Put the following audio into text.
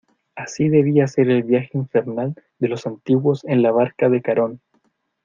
así debía ser el viaje infernal de los antiguos en la barca de Carón: